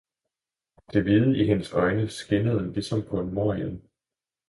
det hvide i hendes øjne skinnede ligesom på en morian.